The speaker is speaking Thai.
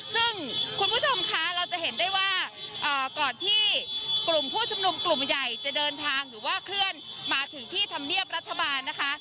ซึ่งคุณผู้ชมคะเราจะเห็นได้ว่าก่อนที่กลุ่มผู้ชุมนุมกลุ่มใหญ่จะเดินทางหรือว่าเคลื่อนมาถึงที่ธรรมเนียบรัฐบาลนะคะ